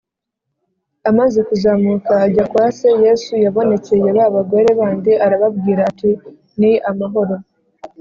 amaze kuzamuka ajya kwa se, yesu yabonekeye ba bagore bandi arababwira ati: “ni amahoro!